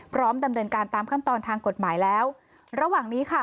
พร้อมดำเนินการตามขั้นตอนทางกฎหมายแล้วระหว่างนี้ค่ะ